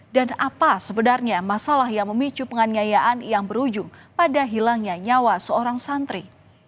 dan apa sebenarnya masalah yang memicu penganyayaan yang berujung pada hilangnya nyawa seorang santri